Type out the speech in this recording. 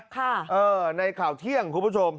ค่ะเออในข่าวเที่ยงคุณผู้ชม